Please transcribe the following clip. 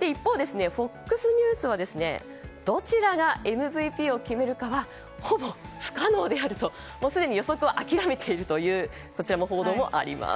一方、ＦＯＸニュースはどちらがＭＶＰを決めるかはほぼ不可能であるとすでに予測を諦めているという報道もあります。